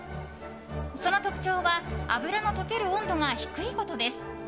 その特徴は脂の溶ける温度が低いことです。